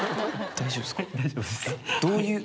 大丈夫です。